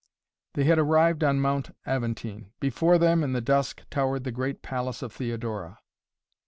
They had arrived on Mount Aventine. Before them, in the dusk, towered the great palace of Theodora.